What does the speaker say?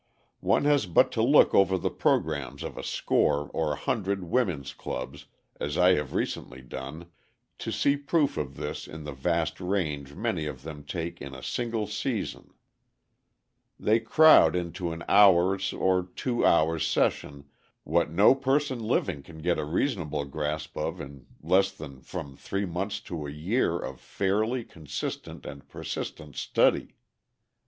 One has but to look over the programs of a score or a hundred women's clubs, as I have recently done, to see proof of this in the vast range many of them take in a single season. They crowd into an hour's or two hours' session what no person living can get a reasonable grasp of in less than from three months to a year of fairly consistent and persistent study.